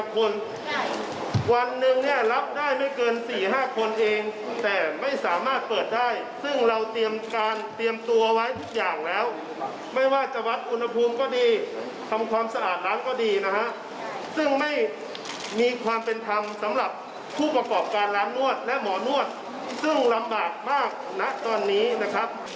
เพื่อเปิดร้านนวดและหมอนวดซึ่งลำบากมากนะตอนนี้นะครับ